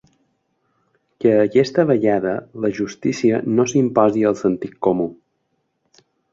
Que aquesta vegada la justícia no s'imposi al sentit comú.